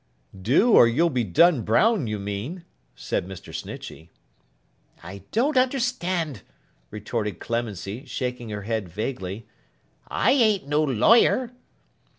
'Do, or you'll be done brown, you mean,' said Mr. Snitchey. 'I don't understand,' retorted Clemency, shaking her head vaguely. 'I an't no lawyer.